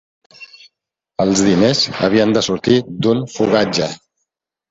Els diners havien de sortir d'un fogatge.